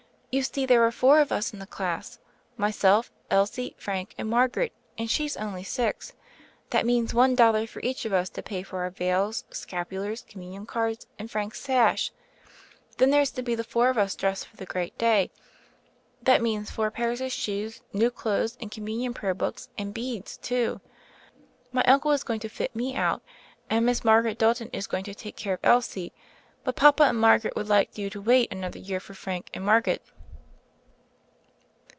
You see there are four of us in the class; myself, Elsie, Frank, and Margaret — and she's only six. That means one dollar for each of us to pay for our veils, scapulars, Com munion cards, and Frank's sash. Then there's to be the four of us dressed for the great day. That means four pairs of shoes, new clothes, and Communion prayer books and beads, too. My uncle is going to fit me out, and Miss Margaret Dalton is going to take care of Elsie, but papa and mama would like you to wait an other year for Frank and Margaret."